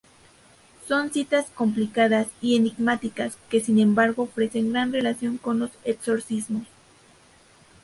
Son citas complicadas y enigmáticas, que sin embargo ofrecen gran relación con los exorcismos.